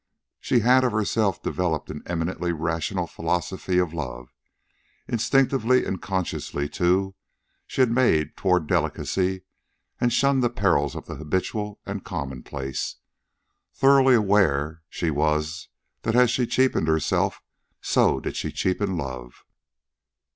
She had of herself developed an eminently rational philosophy of love. Instinctively, and consciously, too, she had made toward delicacy, and shunned the perils of the habitual and commonplace. Thoroughly aware she was that as she cheapened herself so did she cheapen love.